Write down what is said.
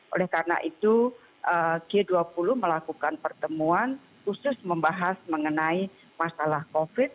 oleh karena itu g dua puluh melakukan pertemuan khusus membahas mengenai masalah covid